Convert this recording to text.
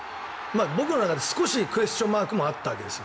僕の中で少しクエスチョンマークがあったわけです。